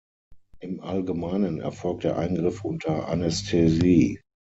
Im Allgemeinen erfolgt der Eingriff unter Anästhesie.